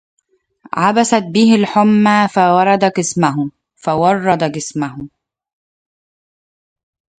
عبثت به الحمى فورد جسمه